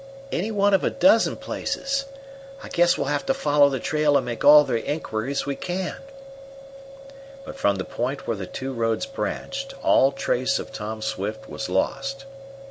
"Any one of a dozen places. I guess we'll have to follow the trail and make all the inquiries we can." But from the point where the two roads branched, all trace of Tom Swift was lost.